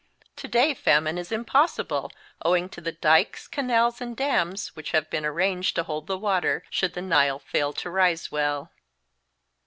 To day famine is impossible, owing to the dykes, canals, and dams which have been arranged to hold the water should the Nile fail to rise well.